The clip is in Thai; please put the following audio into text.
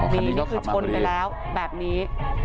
นี่คือชนไปแล้วแบบนี้